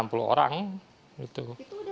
itu udah cair semua atau